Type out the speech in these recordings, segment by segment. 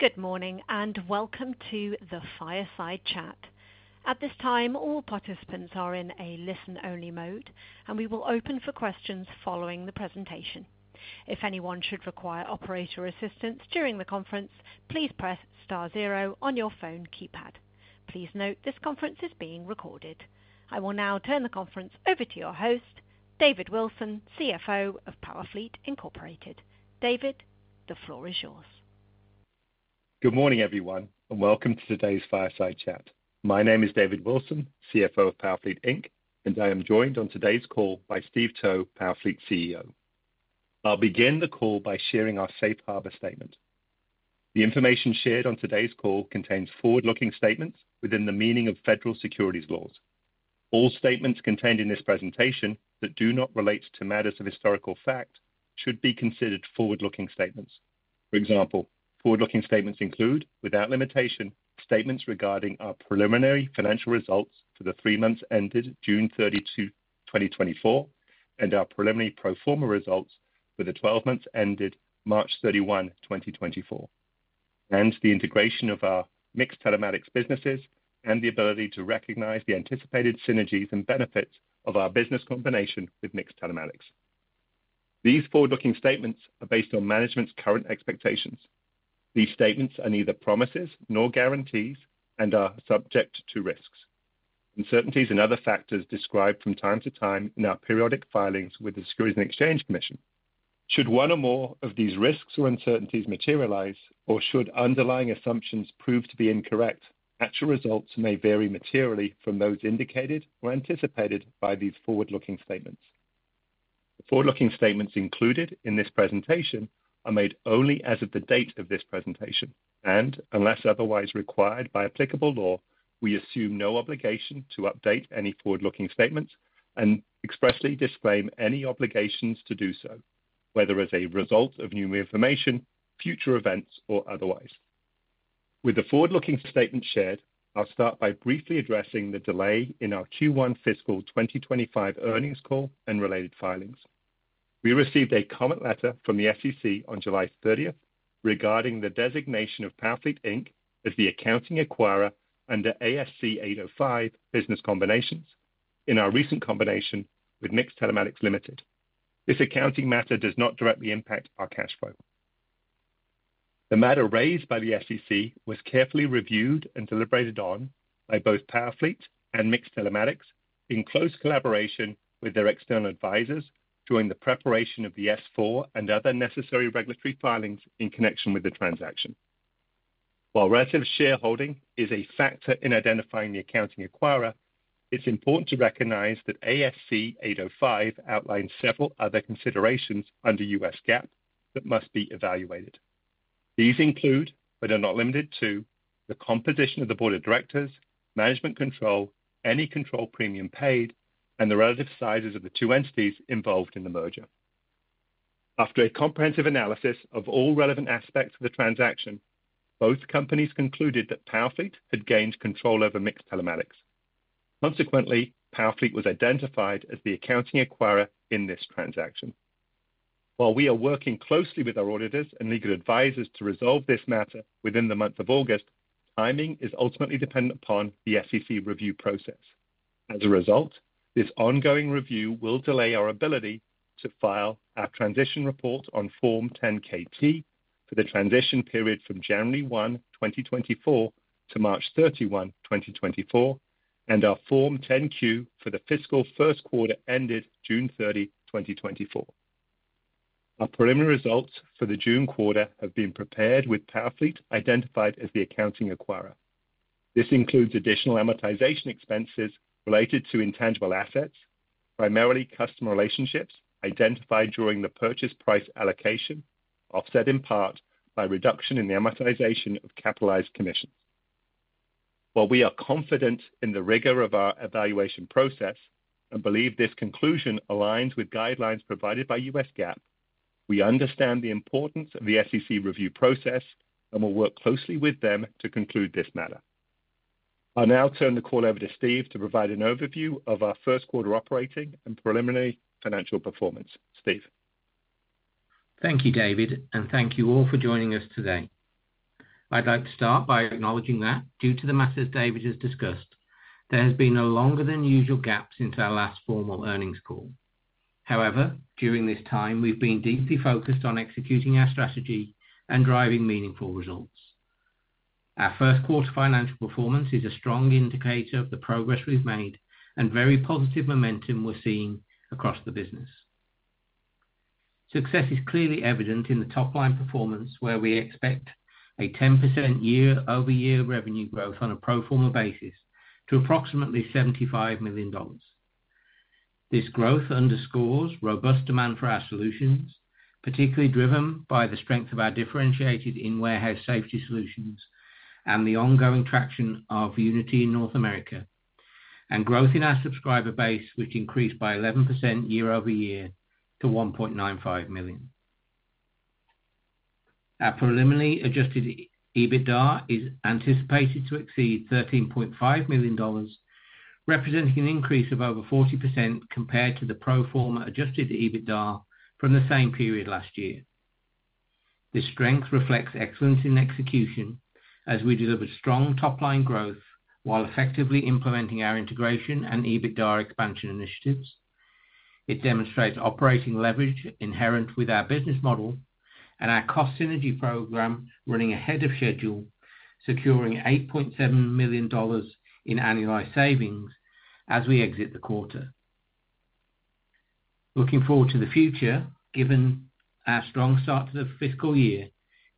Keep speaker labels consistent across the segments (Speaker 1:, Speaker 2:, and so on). Speaker 1: Good morning, and welcome to the Fireside Chat. At this time, all participants are in a listen-only mode, and we will open for questions following the presentation. If anyone should require operator assistance during the conference, please press star zero on your phone keypad. Please note, this conference is being recorded. I will now turn the conference over to your host, David Wilson, CFO of Powerfleet, Incorporated. David, the floor is yours.
Speaker 2: Good morning, everyone, and welcome to today's Fireside Chat. My name is David Wilson, CFO of Powerfleet Inc, and I am joined on today's call by Steve Towe, Powerfleet CEO. I'll begin the call by sharing our safe harbor statement. The information shared on today's call contains forward-looking statements within the meaning of federal securities laws. All statements contained in this presentation that do not relate to matters of historical fact should be considered forward-looking statements. For example, forward-looking statements include, without limitation, statements regarding our preliminary financial results for the three months ended June 30, 2024, and our preliminary pro forma results for the 12 months ended March 31, 2024, and the integration of our MiX Telematics businesses, and the ability to recognize the anticipated synergies and benefits of our business combination with MiX Telematics. These forward-looking statements are based on management's current expectations. These statements are neither promises nor guarantees and are subject to risks, uncertainties, and other factors described from time to time in our periodic filings with the Securities and Exchange Commission. Should one or more of these risks or uncertainties materialize, or should underlying assumptions prove to be incorrect, actual results may vary materially from those indicated or anticipated by these forward-looking statements. The forward-looking statements included in this presentation are made only as of the date of this presentation, and unless otherwise required by applicable law, we assume no obligation to update any forward-looking statements and expressly disclaim any obligations to do so, whether as a result of new information, future events, or otherwise. With the forward-looking statement shared, I'll start by briefly addressing the delay in our Q1 fiscal 2025 earnings call and related filings. We received a comment letter from the SEC on July 30th regarding the designation of Powerfleet, Inc. as the accounting acquirer under ASC 805 business combinations in our recent combination with MiX Telematics Limited. This accounting matter does not directly impact our cash flow. The matter raised by the SEC was carefully reviewed and deliberated on by both Powerfleet and MiX Telematics, in close collaboration with their external advisors during the preparation of the S-4 and other necessary regulatory filings in connection with the transaction. While relative shareholding is a factor in identifying the accounting acquirer, it's important to recognize that ASC 805 outlines several other considerations under U.S. GAAP that must be evaluated. These include, but are not limited to, the composition of the board of directors, management control, any control premium paid, and the relative sizes of the two entities involved in the merger. After a comprehensive analysis of all relevant aspects of the transaction, both companies concluded that Powerfleet had gained control over MiX Telematics. Consequently, Powerfleet was identified as the accounting acquirer in this transaction. While we are working closely with our auditors and legal advisors to resolve this matter within the month of August, timing is ultimately dependent upon the SEC review process. As a result, this ongoing review will delay our ability to file our transition report on Form 10-KT for the transition period from January 1, 2024, to March 31, 2024, and our Form 10-Q for the fiscal first quarter ended June 30, 2024. Our preliminary results for the June quarter have been prepared with Powerfleet identified as the accounting acquirer. This includes additional amortization expenses related to intangible assets, primarily customer relationships, identified during the purchase price allocation, offset in part by reduction in the amortization of capitalized commissions. While we are confident in the rigor of our evaluation process and believe this conclusion aligns with guidelines provided by U.S. GAAP, we understand the importance of the SEC review process and will work closely with them to conclude this matter. I'll now turn the call over to Steve to provide an overview of our first quarter operating and preliminary financial performance. Steve?
Speaker 3: Thank you, David, and thank you all for joining us today. I'd like to start by acknowledging that due to the matters David has discussed, there has been a longer than usual gap since our last formal earnings call. However, during this time, we've been deeply focused on executing our strategy and driving meaningful results. Our first quarter financial performance is a strong indicator of the progress we've made and very positive momentum we're seeing across the business. Success is clearly evident in the top-line performance, where we expect a 10% year-over-year revenue growth on a pro forma basis to approximately $75 million. This growth underscores robust demand for our solutions, particularly driven by the strength of our differentiated in-warehouse safety solutions and the ongoing traction of Unity in North America, and growth in our subscriber base, which increased by 11% year-over-year to 1.95 million. Our preliminary Adjusted EBITDA is anticipated to exceed $13.5 million, representing an increase of over 40% compared to the pro forma Adjusted EBITDA from the same period last year. This strength reflects excellence in execution as we deliver strong top-line growth while effectively implementing our integration and EBITDA expansion initiatives. It demonstrates operating leverage inherent with our business model and our cost synergy program running ahead of schedule, securing $8.7 million in annualized savings as we exit the quarter. Looking forward to the future, given our strong start to the fiscal year,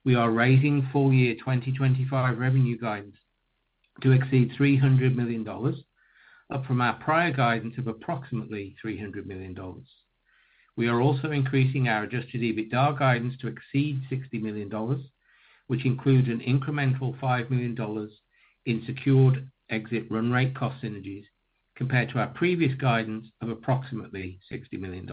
Speaker 3: we are raising full year 2025 revenue guidance to exceed $300 million, up from our prior guidance of approximately $300 million. We are also increasing our Adjusted EBITDA guidance to exceed $60 million, which includes an incremental $5 million in secured exit run rate cost synergies, compared to our previous guidance of approximately $60 million.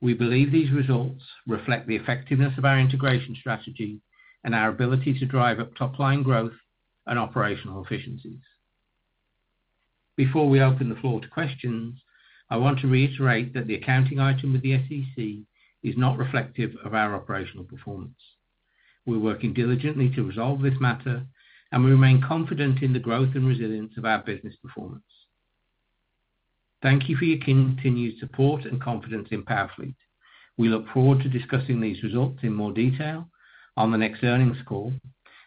Speaker 3: We believe these results reflect the effectiveness of our integration strategy and our ability to drive up top line growth and operational efficiencies. Before we open the floor to questions, I want to reiterate that the accounting item with the SEC is not reflective of our operational performance. We're working diligently to resolve this matter, and we remain confident in the growth and resilience of our business performance. Thank you for your continued support and confidence in Powerfleet. We look forward to discussing these results in more detail on the next earnings call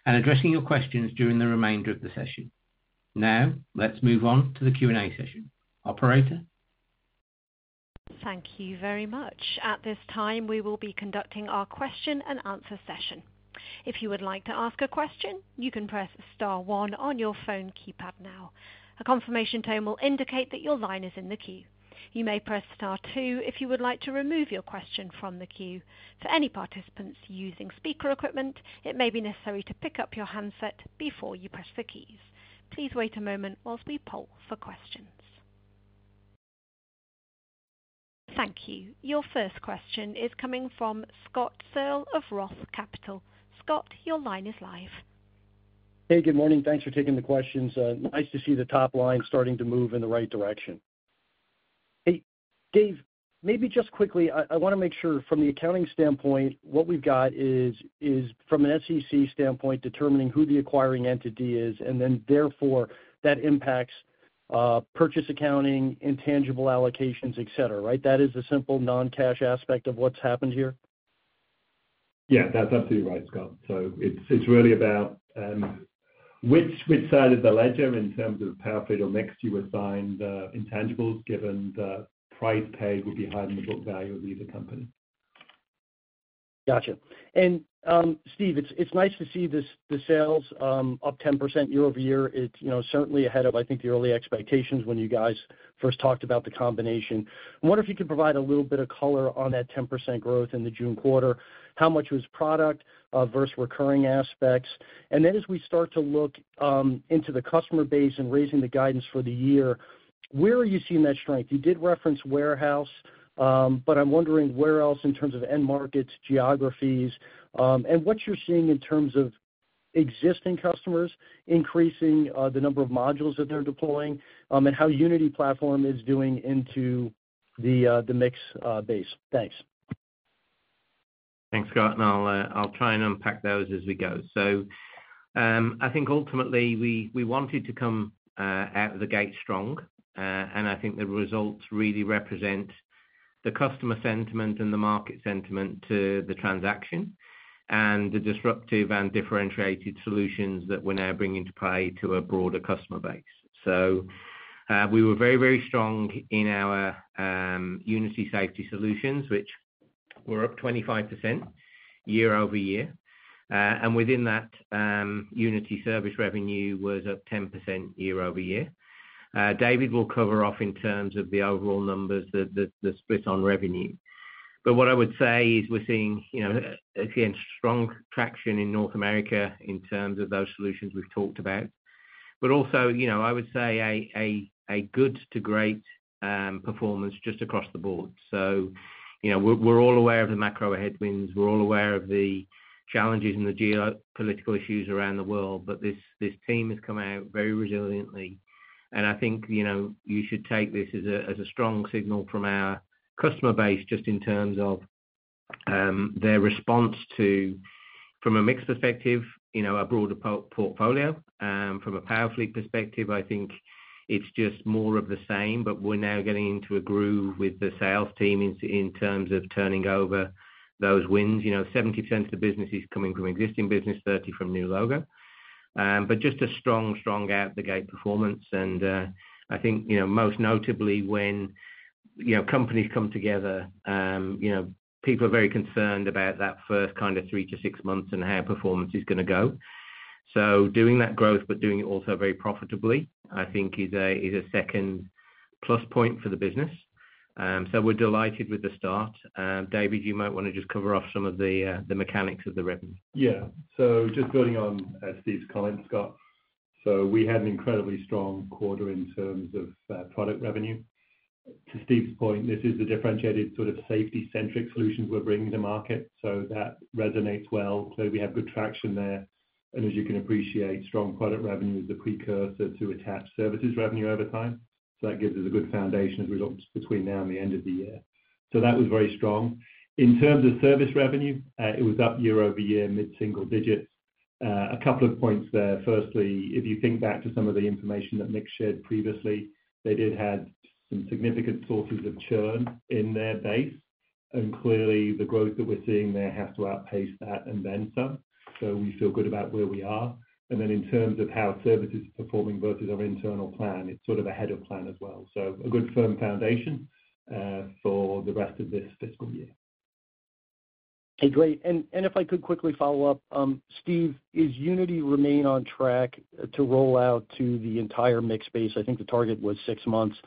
Speaker 3: and addressing your questions during the remainder of the session. Now, let's move on to the Q&A session. Operator?
Speaker 1: Thank you very much. At this time, we will be conducting our question and answer session. If you would like to ask a question, you can press star one on your phone keypad now. A confirmation tone will indicate that your line is in the queue. You may press star two if you would like to remove your question from the queue. For any participants using speaker equipment, it may be necessary to pick up your handset before you press the keys. Please wait a moment while we poll for questions. Thank you. Your first question is coming from Scott Searle of Roth Capital. Scott, your line is live.
Speaker 4: Hey, good morning. Thanks for taking the questions. Nice to see the top line starting to move in the right direction. Hey, Dave, maybe just quickly, I wanna make sure from the accounting standpoint, what we've got is, is from an SEC standpoint, determining who the acquiring entity is, and then therefore, that impacts, purchase accounting, intangible allocations, et cetera, right? That is the simple non-cash aspect of what's happened here.
Speaker 2: Yeah, that's absolutely right, Scott. So it's, it's really about which, which side of the ledger in terms of Powerfleet or MiX you assigned intangibles, given the price paid would be higher than the book value of either company.
Speaker 4: Gotcha. And, Steve, it's, it's nice to see the, the sales up 10% year-over-year. It's, you know, certainly ahead of, I think, the early expectations when you guys first talked about the combination. I wonder if you could provide a little bit of color on that 10% growth in the June quarter, how much was product versus recurring aspects? And then as we start to look into the customer base and raising the guidance for the year, where are you seeing that strength? You did reference warehouse, but I'm wondering where else in terms of end markets, geographies, and what you're seeing in terms of existing customers increasing the number of modules that they're deploying, and how Unity platform is doing into the MiX base. Thanks.
Speaker 3: Thanks, Scott, and I'll try and unpack those as we go. So, I think ultimately we wanted to come out of the gate strong, and I think the results really represent the customer sentiment and the market sentiment to the transaction, and the disruptive and differentiated solutions that we're now bringing to play to a broader customer base. So, we were very, very strong in our Unity Safety solutions, which were up 25% year-over-year. And within that, Unity service revenue was up 10% year-over-year. David will cover off in terms of the overall numbers, the split on revenue. But what I would say is we're seeing, you know, again, strong traction in North America in terms of those solutions we've talked about. But also, you know, I would say a good to great performance just across the board. So, you know, we're, we're all aware of the macro headwinds, we're all aware of the challenges and the geopolitical issues around the world, but this, this team has come out very resiliently, and I think, you know, you should take this as a strong signal from our customer base, just in terms of their response to, from a MiX perspective, you know, a broader portfolio. From a Powerfleet perspective, I think it's just more of the same, but we're now getting into a groove with the sales team in terms of turning over those wins. You know, 70% of the business is coming from existing business, 30 from new logo. But just a strong, strong out-the-gate performance and, I think, you know, most notably when, you know, companies come together, you know, people are very concerned about that first kind of three to six months and how performance is gonna go. So doing that growth, but doing it also very profitably, I think is a, is a second plus point for the business. So we're delighted with the start. David, you might wanna just cover off some of the, the mechanics of the revenue.
Speaker 2: Yeah. So just building on Steve's comment, Scott, so we had an incredibly strong quarter in terms of product revenue. To Steve's point, this is a differentiated sort of safety-centric solutions we're bringing to market, so that resonates well. So we have good traction there, and as you can appreciate, strong product revenue is the precursor to attached services revenue over time. So that gives us a good foundation as we look between now and the end of the year. So that was very strong. In terms of service revenue, it was up year-over-year, mid-single digits. A couple of points there. Firstly, if you think back to some of the information that MiX shared previously, they did have some significant sources of churn in their base, and clearly, the growth that we're seeing there has to outpace that and then some. We feel good about where we are. Then in terms of how services is performing versus our internal plan, it's sort of ahead of plan as well. A good firm foundation for the rest of this fiscal year.
Speaker 4: Hey, great. And if I could quickly follow up. Steve, is Unity remain on track to roll out to the entire MiX base? I think the target was six months,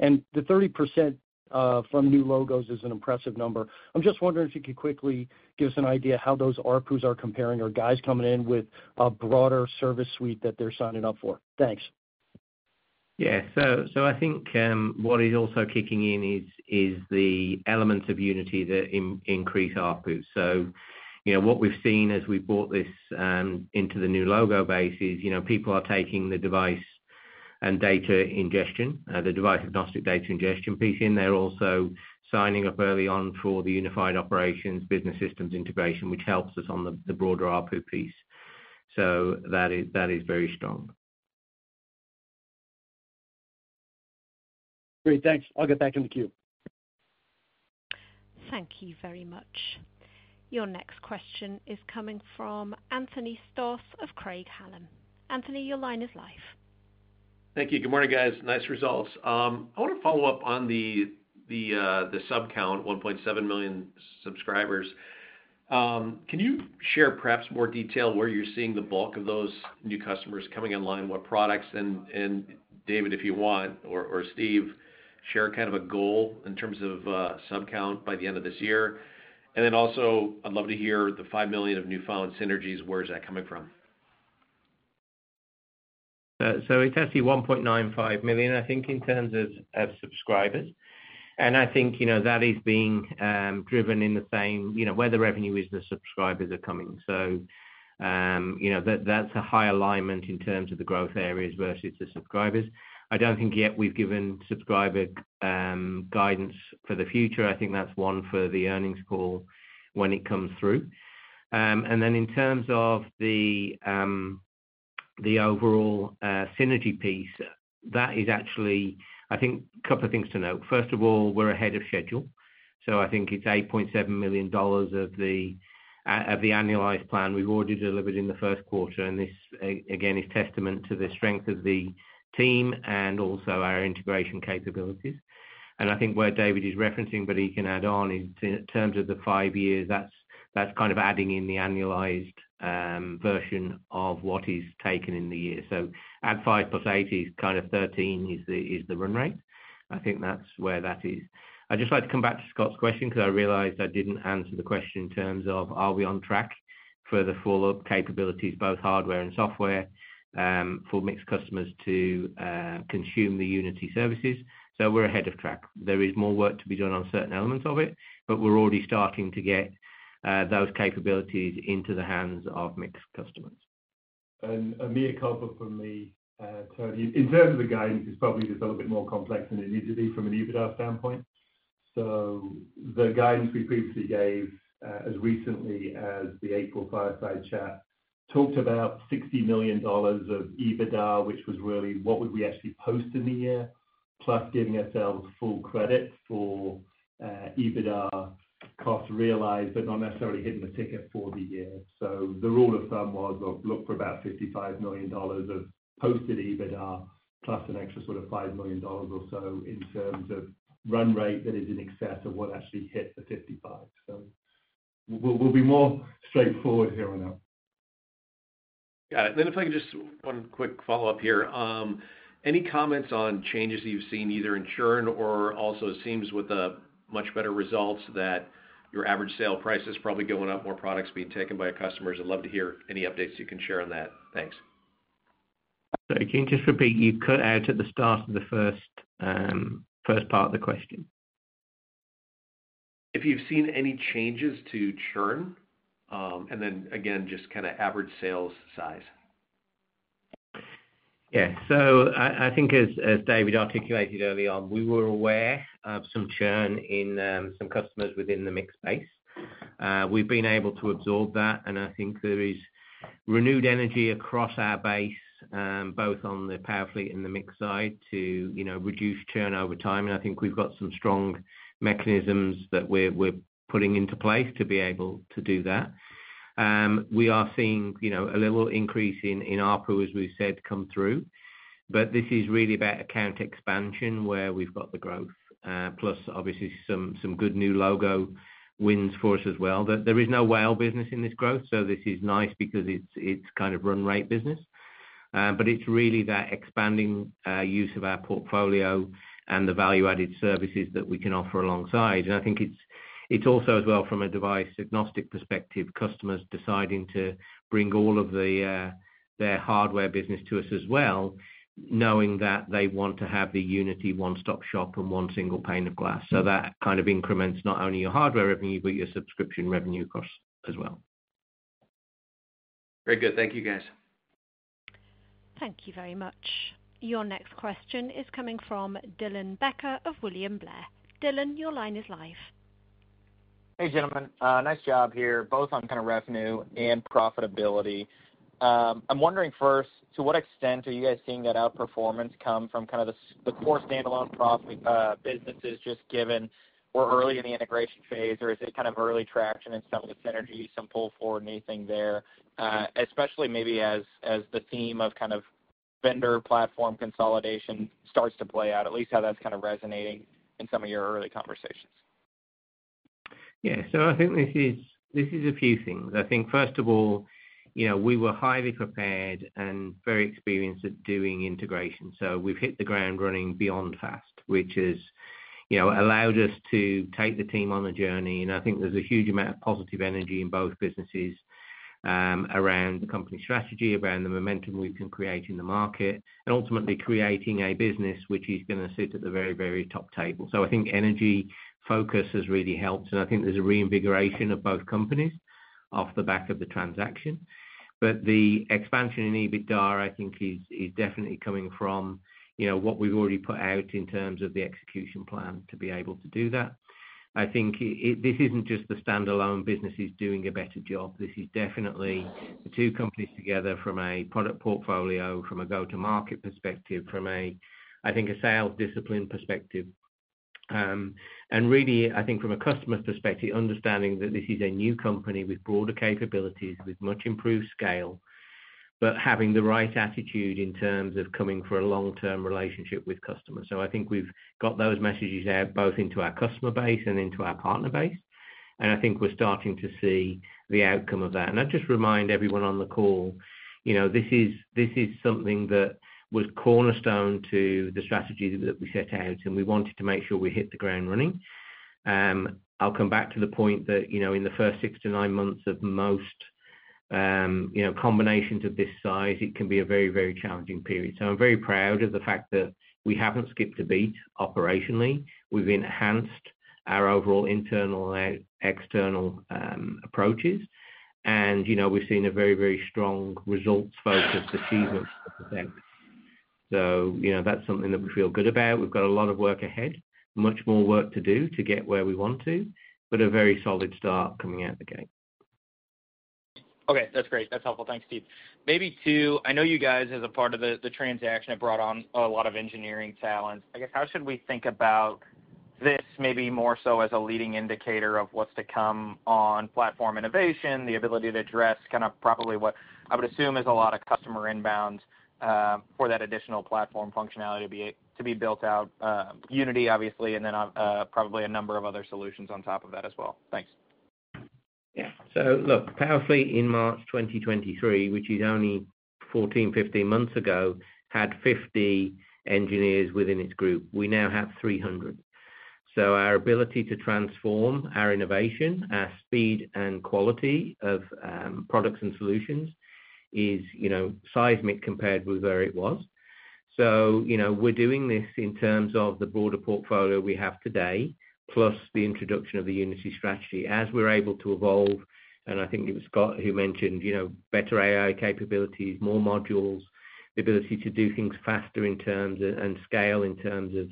Speaker 4: and the 30% from new logos is an impressive number. I'm just wondering if you could quickly give us an idea how those ARPU's are comparing, or guys coming in with a broader service suite that they're signing up for? Thanks.
Speaker 3: Yeah. So, I think what is also kicking in is the elements of Unity that increase ARPU. So, you know, what we've seen as we've brought this into the new logo base is, you know, people are taking the device and data ingestion, the device agnostic data ingestion piece, and they're also signing up early on for the unified operations business systems integration, which helps us on the broader ARPU piece. So that is very strong.
Speaker 4: Great, thanks. I'll get back in the queue.
Speaker 1: Thank you very much. Your next question is coming from Anthony Stoss of Craig-Hallum. Anthony, your line is live.
Speaker 5: Thank you. Good morning, guys. Nice results. I want to follow up on the sub count, 1.7 million subscribers. Can you share perhaps more detail, where you're seeing the bulk of those new customers coming online, what products? And David, if you want, or Steve, share kind of a goal in terms of sub count by the end of this year. And then also, I'd love to hear the $5 million of newfound synergies, where is that coming from?
Speaker 3: So it's actually 1.95 million, I think, in terms of of subscribers. And I think, you know, that is being driven in the same, you know, where the revenue is, the subscribers are coming. So, you know, that's a high alignment in terms of the growth areas versus the subscribers. I don't think yet we've given subscriber guidance for the future. I think that's one for the earnings call when it comes through. And then in terms of the the overall synergy piece, that is actually... I think a couple of things to note. First of all, we're ahead of schedule, so I think it's $8.7 million of the, of the annualized plan we've already delivered in the first quarter, and this, again, is testament to the strength of the team and also our integration capabilities. I think where David is referencing, but he can add on, in terms of the five years, that's, that's kind of adding in the annualized, version of what is taken in the year. So add 5 + 8 is kind of 13, is the, is the run rate. I think that's where that is. I'd just like to come back to Scott's question, because I realized I didn't answer the question in terms of, are we on track for the full capabilities, both hardware and software, for MiX customers to, consume the Unity services? So we're ahead of track. There is more work to be done on certain elements of it, but we're already starting to get those capabilities into the hands of MiX customers.
Speaker 2: Let me cover from me, Tony, in terms of the guidance, it's probably just a little bit more complex than it needs to be from an EBITDA standpoint. So the guidance we previously gave, as recently as the April Fireside Chat, talked about $60 million of EBITDA, which was really what would we actually post in the year, plus giving ourselves full credit for EBITDA costs realized, but not necessarily hitting the ticket for the year. So the rule of thumb was, look for about $55 million of posted EBITDA, plus an extra sort of $5 million or so in terms of run rate, that is in excess of what actually hit the 55. So we'll be more straightforward here on out.
Speaker 5: Got it. Then if I could just, one quick follow-up here. Any comments on changes that you've seen, either in churn or also it seems with the much better results, that your average sale price is probably going up, more products being taken by your customers? I'd love to hear any updates you can share on that. Thanks.
Speaker 3: Can you just repeat? You cut out at the start of the first part of the question?
Speaker 5: If you've seen any changes to churn, and then again, just kind of average sales size.
Speaker 3: Yeah. So I think as David articulated early on, we were aware of some churn in some customers within the MiX base. We've been able to absorb that, and I think there is renewed energy across our base, both on the Powerfleet and the MiX side, to, you know, reduce churn over time. And I think we've got some strong mechanisms that we're putting into place to be able to do that. We are seeing, you know, a little increase in ARPU, as we've said, come through, but this is really about account expansion, where we've got the growth, plus obviously some good new logo wins for us as well. There is no whale business in this growth, so this is nice because it's kind of run rate business. But it's really that expanding use of our portfolio and the value-added services that we can offer alongside. And I think it's, it's also as well, from a device agnostic perspective, customers deciding to bring all of their hardware business to us as well, knowing that they want to have the Unity one-stop shop and one single pane of glass. So that kind of increments not only your hardware revenue, but your subscription revenue costs as well.
Speaker 5: Very good. Thank you, guys.
Speaker 1: Thank you very much. Your next question is coming from Dylan Becker of William Blair. Dylan, your line is live.
Speaker 6: Hey, gentlemen, nice job here, both on kind of revenue and profitability. I'm wondering first, to what extent are you guys seeing that outperformance come from kind of the core standalone profit, businesses, just given we're early in the integration phase? Or is it kind of early traction in some of the synergies, some pull-forward, anything there? Especially maybe as the theme of kind of vendor platform consolidation starts to play out, at least how that's kind of resonating in some of your early conversations.
Speaker 3: Yeah. So I think this is a few things. I think, first of all, you know, we were highly prepared and very experienced at doing integration, so we've hit the ground running beyond fast, which has, you know, allowed us to take the team on the journey. And I think there's a huge amount of positive energy in both businesses around the company strategy, around the momentum we've been creating in the market, and ultimately creating a business which is gonna sit at the very, very top table. So I think energy focus has really helped, and I think there's a reinvigoration of both companies off the back of the transaction. But the expansion in EBITDA, I think, is definitely coming from, you know, what we've already put out in terms of the execution plan to be able to do that. I think this isn't just the standalone businesses doing a better job. This is definitely two companies together from a product portfolio, from a go-to-market perspective, from a, I think, a sales discipline perspective. And really, I think from a customer perspective, understanding that this is a new company with broader capabilities, with much improved scale, but having the right attitude in terms of coming for a long-term relationship with customers. So I think we've got those messages out, both into our customer base and into our partner base, and I think we're starting to see the outcome of that. I'd just remind everyone on the call, you know, this is, this is something that was cornerstone to the strategy that we set out, and we wanted to make sure we hit the ground running. I'll come back to the point that, you know, in the first six, nine months of most, you know, combinations of this size, it can be a very, very challenging period. So I'm very proud of the fact that we haven't skipped a beat operationally. We've enhanced our overall internal and external approaches, and, you know, we've seen a very, very strong results focus achievement since then. So, you know, that's something that we feel good about. We've got a lot of work ahead, much more work to do to get where we want to, but a very solid start coming out the gate.
Speaker 6: Okay, that's great. That's helpful. Thanks, Steve. Maybe two, I know you guys, as a part of the, the transaction, have brought on a lot of engineering talent. I guess, how should we think about this, maybe more so as a leading indicator of what's to come on platform innovation, the ability to address kind of probably what I would assume is a lot of customer inbound, for that additional platform functionality to be, to be built out, Unity, obviously, and then, probably a number of other solutions on top of that as well? Thanks.
Speaker 3: Yeah. So look, Powerfleet in March 2023, which is only 14, 15 months ago, had 50 engineers within its group. We now have 300. So our ability to transform our innovation, our speed and quality of products and solutions is, you know, seismic compared with where it was. So, you know, we're doing this in terms of the broader portfolio we have today, plus the introduction of the Unity strategy. As we're able to evolve, and I think it was Scott who mentioned, you know, better AI capabilities, more modules, the ability to do things faster in terms and scale in terms of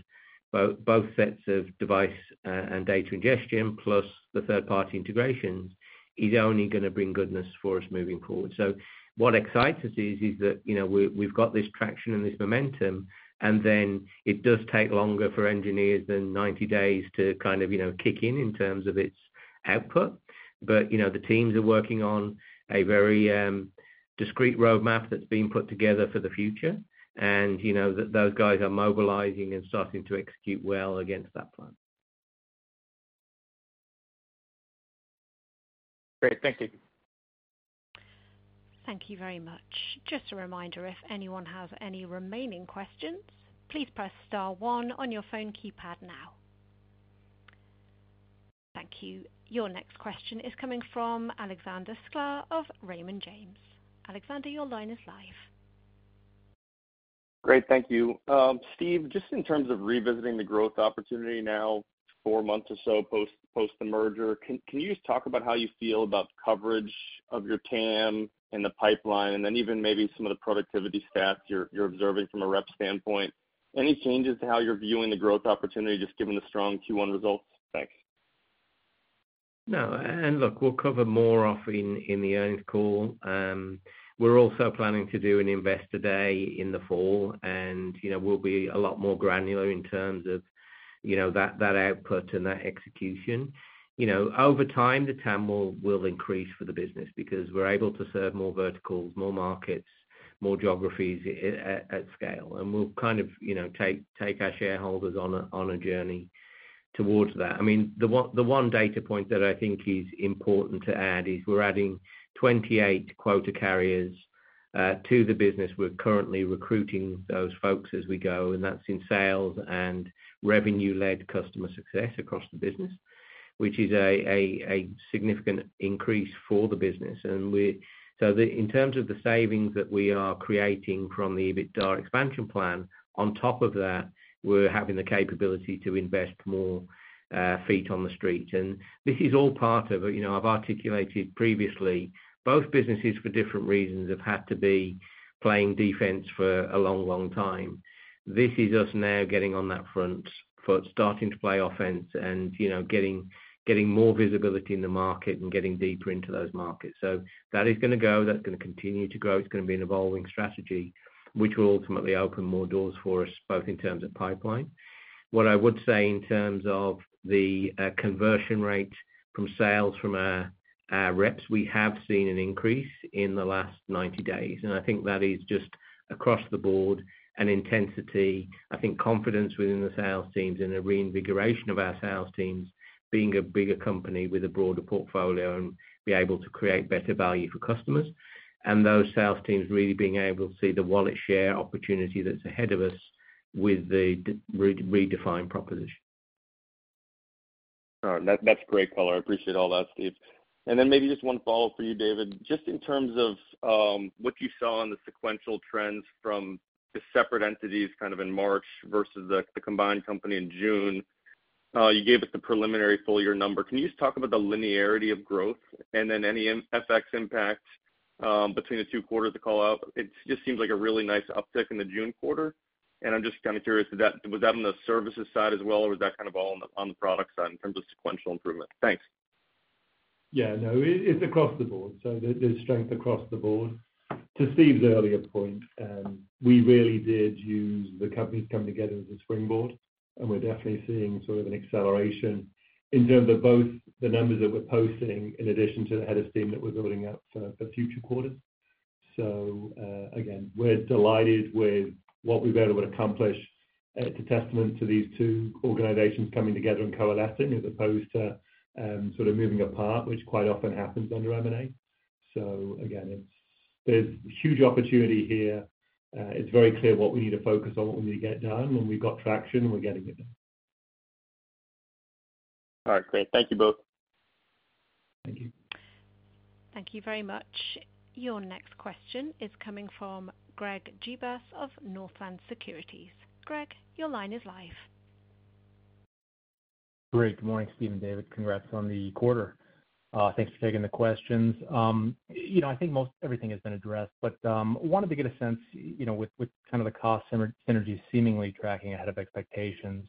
Speaker 3: both sets of device and data ingestion, plus the third-party integrations, is only gonna bring goodness for us moving forward. So what excites us is that, you know, we, we've got this traction and this momentum, and then it does take longer for engineers than 90 days to kind of, you know, kick in, in terms of its output. But, you know, the teams are working on a very discrete roadmap that's being put together for the future. And, you know, those guys are mobilizing and starting to execute well against that plan.
Speaker 6: Great. Thank you.
Speaker 1: Thank you very much. Just a reminder, if anyone has any remaining questions, please press star one on your phone keypad now. Thank you. Your next question is coming from Alexander Sklar of Raymond James. Alexander, your line is live.
Speaker 7: Great, thank you. Steve, just in terms of revisiting the growth opportunity now, four months or so post the merger, can you just talk about how you feel about coverage of your TAM and the pipeline, and then even maybe some of the productivity stats you're observing from a rep standpoint? Any changes to how you're viewing the growth opportunity, just given the strong Q1 results? Thanks.
Speaker 3: No, and look, we'll cover more of it in the earnings call. We're also planning to do an investor day in the fall, and, you know, we'll be a lot more granular in terms of, you know, that output and that execution. You know, over time, the TAM will increase for the business, because we're able to serve more verticals, more markets, more geographies at scale. And we'll kind of, you know, take our shareholders on a journey towards that. I mean, the one data point that I think is important to add is we're adding 28 quota carriers to the business. We're currently recruiting those folks as we go, and that's in sales and revenue-led customer success across the business, which is a significant increase for the business. So, in terms of the savings that we are creating from the EBITDA expansion plan, on top of that, we're having the capability to invest more feet on the street. And this is all part of it. You know, I've articulated previously, both businesses, for different reasons, have had to be playing defense for a long, long time. This is us now getting on that front, for starting to play offense and, you know, getting, getting more visibility in the market and getting deeper into those markets. So that is gonna go, that's gonna continue to grow. It's gonna be an evolving strategy, which will ultimately open more doors for us, both in terms of pipeline. What I would say in terms of the conversion rate from sales from our reps, we have seen an increase in the last 90 days, and I think that is just across the board, an intensity, I think confidence within the sales teams and a reinvigoration of our sales teams, being a bigger company with a broader portfolio and be able to create better value for customers. And those sales teams really being able to see the wallet share opportunity that's ahead of us with the redefined proposition.
Speaker 7: All right. That, that's great color. I appreciate all that, Steve. And then maybe just one follow-up for you, David. Just in terms of what you saw on the sequential trends from the separate entities, kind of in March versus the, the combined company in June, you gave us the preliminary full year number. Can you just talk about the linearity of growth and then any FX impact between the two quarters to call out? It just seems like a really nice uptick in the June quarter, and I'm just kind of curious, is that - was that on the services side as well, or was that kind of all on the, on the product side in terms of sequential improvement? Thanks.
Speaker 2: Yeah. No, it's across the board, so there's strength across the board. To Steve's earlier point, we really did use the companies coming together as a springboard, and we're definitely seeing sort of an acceleration in terms of both the numbers that we're posting, in addition to the head of steam that we're building out for future quarters. So, again, we're delighted with what we've been able to accomplish. It's a testament to these two organizations coming together and coalescing, as opposed to sort of moving apart, which quite often happens under M&A. So again, it's. There's huge opportunity here. It's very clear what we need to focus on, what we need to get done, and we've got traction, and we're getting it done.
Speaker 7: All right, great. Thank you both.
Speaker 2: Thank you.
Speaker 1: Thank you very much. Your next question is coming from Greg Gibas of Northland Securities. Greg, your line is live.
Speaker 8: Great. Good morning, Steve and David. Congrats on the quarter. Thanks for taking the questions. You know, I think most everything has been addressed, but wanted to get a sense, you know, with, with kind of the cost synergy seemingly tracking ahead of expectations,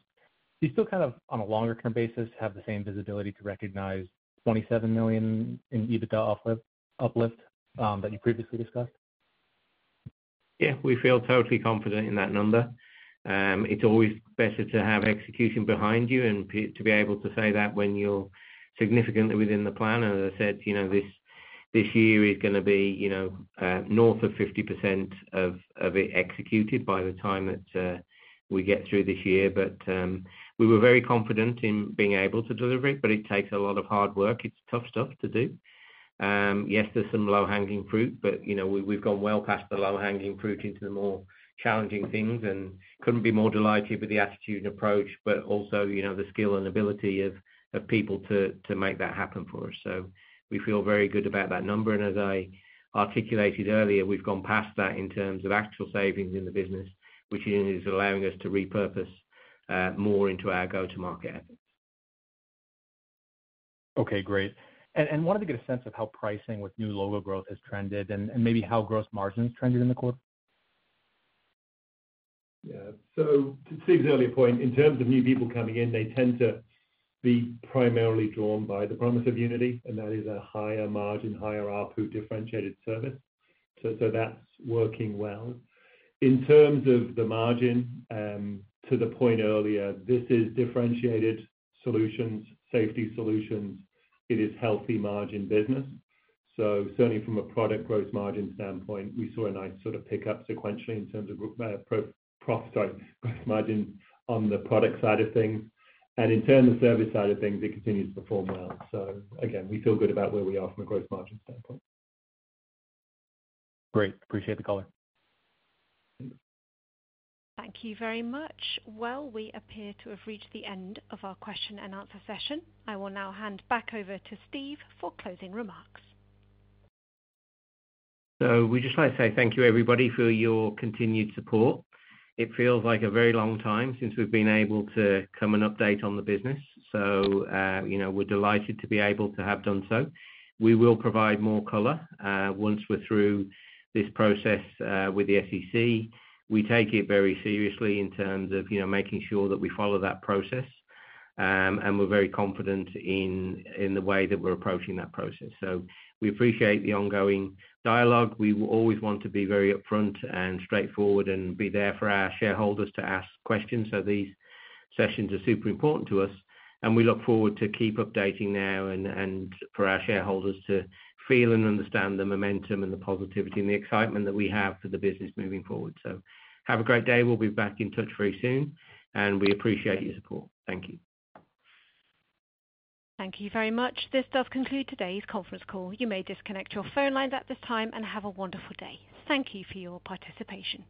Speaker 8: do you still kind of, on a longer term basis, have the same visibility to recognize $27 million in EBITDA uplift, uplift, that you previously discussed?
Speaker 3: Yeah, we feel totally confident in that number. It's always better to have execution behind you and to be able to say that when you're significantly within the plan. And as I said, you know, this year is gonna be, you know, north of 50% of it executed by the time that we get through this year. But we were very confident in being able to deliver it, but it takes a lot of hard work. It's tough stuff to do. Yes, there's some low-hanging fruit, but, you know, we, we've gone well past the low-hanging fruit into the more challenging things and couldn't be more delighted with the attitude and approach, but also, you know, the skill and ability of people to make that happen for us. So we feel very good about that number, and as I articulated earlier, we've gone past that in terms of actual savings in the business, which is allowing us to repurpose, more into our go-to market.
Speaker 8: Okay, great. Wanted to get a sense of how pricing with new logo growth has trended and maybe how gross margins trended in the quarter?
Speaker 2: Yeah. So to Steve's earlier point, in terms of new people coming in, they tend to be primarily drawn by the promise of Unity, and that is a higher margin, higher ARPU differentiated service. So that's working well. In terms of the margin, to the point earlier, this is differentiated solutions, safety solutions. It is healthy margin business. So certainly from a product gross margin standpoint, we saw a nice sort of pickup sequentially in terms of gross margin on the product side of things. And in terms of service side of things, it continues to perform well. So again, we feel good about where we are from a gross margin standpoint.
Speaker 8: Great. Appreciate the call in.
Speaker 1: Thank you very much. Well, we appear to have reached the end of our question and answer session. I will now hand back over to Steve for closing remarks.
Speaker 3: So we just want to say thank you, everybody, for your continued support. It feels like a very long time since we've been able to come and update on the business. So, you know, we're delighted to be able to have done so. We will provide more color, once we're through this process, with the SEC. We take it very seriously in terms of, you know, making sure that we follow that process, and we're very confident in, in the way that we're approaching that process. So we appreciate the ongoing dialogue. We will always want to be very upfront and straightforward and be there for our shareholders to ask questions, so these sessions are super important to us, and we look forward to keep updating now and, and for our shareholders to feel and understand the momentum and the positivity and the excitement that we have for the business moving forward. Have a great day. We'll be back in touch very soon, and we appreciate your support. Thank you.
Speaker 1: Thank you very much. This does conclude today's conference call. You may disconnect your phone lines at this time and have a wonderful day. Thank you for your participation.